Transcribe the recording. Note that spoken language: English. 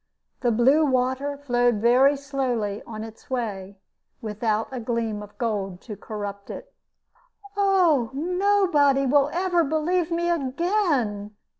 The blue water flowed very softly on its way, without a gleam of gold to corrupt it. "Oh, nobody will ever believe me again!"